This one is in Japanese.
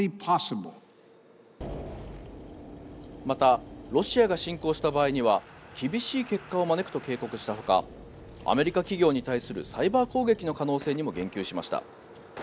またロシアが侵攻した場合には厳しい結果を招くと警告したほかアメリカ企業に対するサイバー攻撃の可能性にも言及しました。